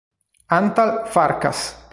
Antal Farkas